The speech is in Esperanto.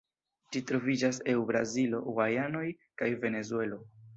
Ĝi troviĝas eu Brazilo, Gujanoj, kaj Venezuelo.